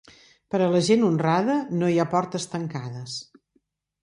Per a la gent honrada no hi ha portes tancades.